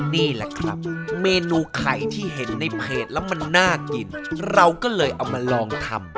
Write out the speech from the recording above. นี่แหละครับเมนูไข่ที่เห็นในเพจแล้วมันน่ากินเราก็เลยเอามาลองทำ